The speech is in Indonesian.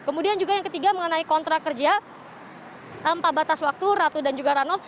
kemudian juga yang ketiga mengenai kontrak kerja tanpa batas waktu ratu dan juga rano